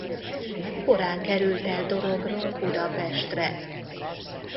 Korán került el Dorogról Budapestre.